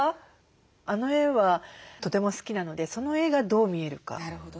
あの絵はとても好きなのでその絵がどう見えるか。